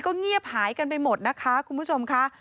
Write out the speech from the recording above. ก็เงียบหายกันไปหมดนะคะคุณผู้ชมค่ะ